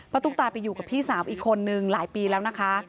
ตุ๊กตาไปอยู่กับพี่สาวอีกคนนึงหลายปีแล้วนะคะ